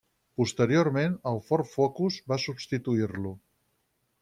Posteriorment el Ford Focus va substituir-lo.